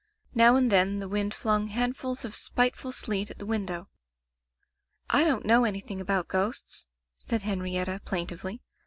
Now and then the wind flung handfuls of spiteful sleet at the win dow. "I don't know anything about ghosts," said Henrietta, plaintively.